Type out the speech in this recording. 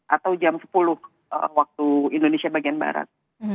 atau jam sepuluh waktu indonesia bagian barat